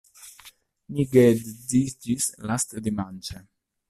Ni geedziĝis lastdimanĉe.